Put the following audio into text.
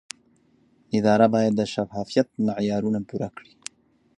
اداره باید د شفافیت معیارونه پوره کړي.